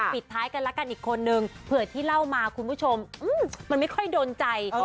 ปิดท้ายกันละกันอีกคนนึงเผื่อที่เล่ามาคุณผู้ชมมันไม่ค่อยโดนใจ